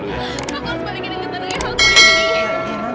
aku harus balikin ingatan ayah aku